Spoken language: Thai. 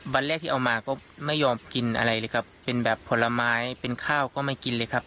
วันแรกที่เอามาก็ไม่ยอมกินอะไรเลยครับเป็นแบบผลไม้เป็นข้าวก็ไม่กินเลยครับ